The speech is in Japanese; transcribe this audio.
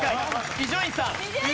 伊集院さん。